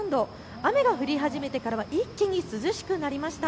雨が降り始めてからは一気に涼しくなりました。